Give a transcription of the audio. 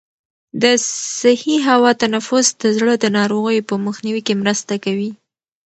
د صحي هوا تنفس د زړه د ناروغیو په مخنیوي کې مرسته کوي.